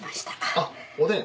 あっおでん。